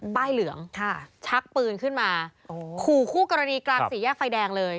ใบ้เหลืองค่ะชักปืนขึ้นมาโอ้โหขู่คู่กรณีกลางสีแยกไฟแดงเลย